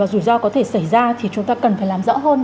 rủi ro có thể xảy ra thì chúng ta cần phải làm rõ hơn